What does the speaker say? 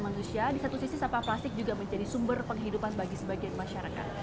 manusia di satu sisi sampah plastik juga menjadi sumber penghidupan bagi sebagian masyarakat